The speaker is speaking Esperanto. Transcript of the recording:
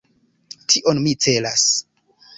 Tion mi celas.